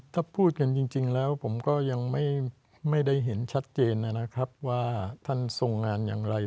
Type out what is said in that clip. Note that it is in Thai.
ถ้าพูดกันจริงแล้วผมก็ยังไม่ได้เห็นชัดเจนนะครับว่าท่านทรงงานอย่างไร